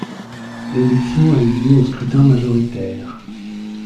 L'élection a eu lieu au scrutin majoritaire.